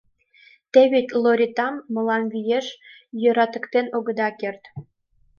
Те вет Лориттам мылам виеш йӧратыктен огыда керт.